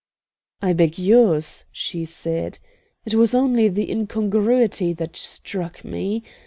"I beg yours," she said. "It was only the incongruity that struck me.